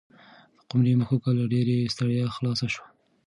د قمرۍ مښوکه له ډېرې ستړیا خلاصه شوه.